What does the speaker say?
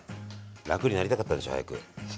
楽になりたかったんでしょ早く。